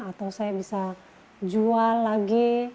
atau saya bisa jual lagi